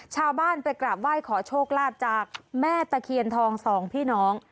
ชาวบ้านไปกราบไหว้ขอโชคลาภจากแม่ตะเคียนทองสองพี่น้อง